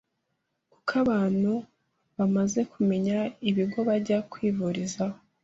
kuko abantu bamaze kumenya ibigo bajya kwivurizaho.”